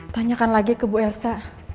tanyakan lagi ke bu elsa